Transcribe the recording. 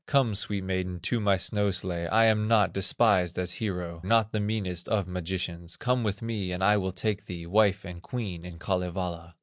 Come, sweet maiden, to my snow sledge, I am not despised as hero, Not the meanest of magicians; Come with me and I will make thee Wife and queen in Kalevala."